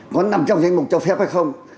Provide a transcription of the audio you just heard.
có nằm trong danh mục cho phép hay không